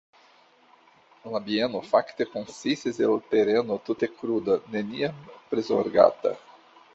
La bieno fakte konsistis el tereno tute kruda, neniam prizorgata.